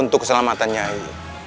untuk keselamatan nyai